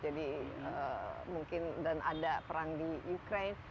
dan mungkin ada perang di ukraine